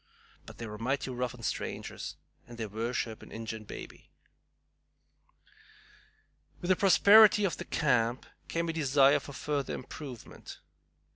But they're mighty rough on strangers, and they worship an Ingin baby." With the prosperity of the camp came a desire for further improvement.